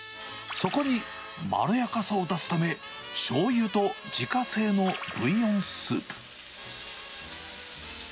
そこにまろやかさを出すため、しょうゆと自家製のブイヨンスープ。